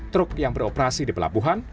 truk yang beroperasi di pelabuhan